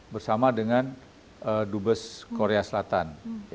dan juga oleh dbs korea selatan